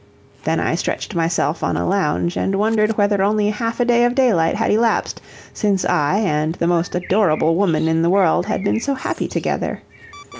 Then I stretched myself on a lounge, and wondered whether only half a day of daylight had elapsed since I and the most adorable woman in the world had been so happy together.